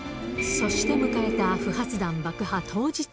そして迎えた不発弾爆破当日。